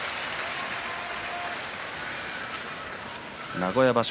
名古屋場所